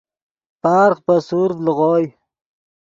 پارغ پے سورڤ لیغوئے